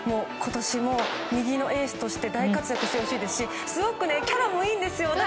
今年も右のエースとして活躍してほしいですしすごくキャラもいいんですよ。